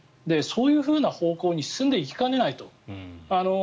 そういう方向に進んでいきかねないと。